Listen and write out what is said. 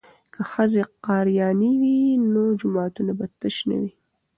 که ښځې قاریانې وي نو جوماتونه به تش نه وي.